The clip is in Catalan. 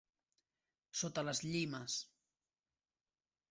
Sota les llimes